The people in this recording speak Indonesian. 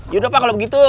yaudah pak kalau begitu